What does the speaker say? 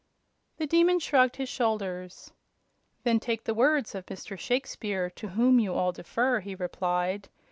The Demon shrugged his shoulders. "Then take the words of Mr. Shakespeare, to whom you all defer," he replied.